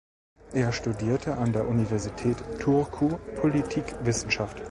Er studierte an der Universität Turku Politikwissenschaft.